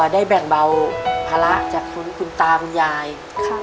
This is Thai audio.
ได้แบ่งเบาภาระจากคุณตาคุณยาย